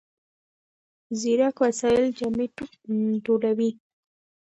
ځیرک وسایل جامې ټولوي.